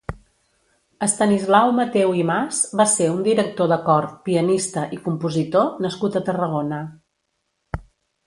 Estanislau Mateu i Mas va ser un director de cor, pianista i compositor nascut a Tarragona.